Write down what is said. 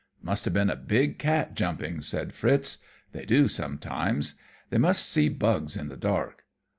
"Must have been a big cat jumping," said Fritz. "They do sometimes. They must see bugs in the dark.